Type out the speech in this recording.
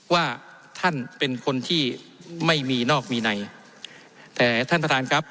ว่าท่านเป็นคนที่ไม่มีนอกมีในแต่ท่านประธานครับ